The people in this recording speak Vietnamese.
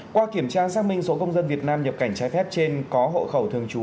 qua kiểm tra xác minh số công dân việt nam nhập cảnh trái phép trên có hộ khẩu thường trú